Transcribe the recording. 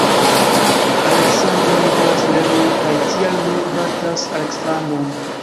Aleksandro ne volas lerni, kaj tial mi batas Aleksandron.